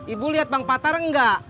ibu lihat bang patar nggak